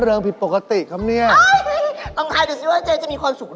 รีดีไปหมดเลยค่ะที่จะ